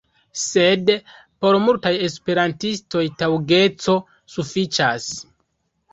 Sed por multaj Esperantistoj taŭgeco sufiĉas.